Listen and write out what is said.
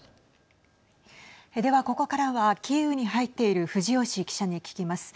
では、ここからはキーウに入っている藤吉記者に聞きます。